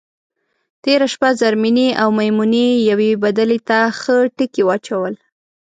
تېره شپه زرمېنې او میمونې یوې بدلې ته ښه ټکي واچول.